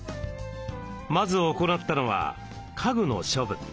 まず行ったのは家具の処分。